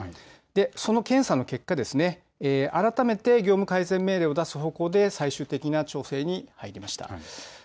その検査の結果、改めて業務改善命令を出す方向で最終的な調整に入りました。